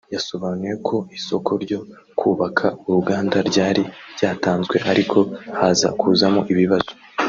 yasobanuye ko isoko ryo kubaka uruganda ryari ryatanzwe ariko haza kuzamo ibibazo